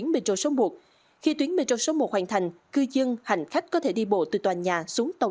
metro số một khi tuyến metro số một hoàn thành cư dân hành khách có thể đi bộ từ tòa nhà xuống tàu